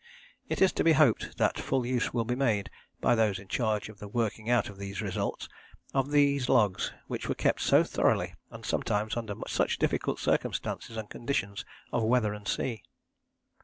It is to be hoped that full use will be made, by those in charge of the working out of these results, of these logs which were kept so thoroughly and sometimes under such difficult circumstances and conditions of weather and sea.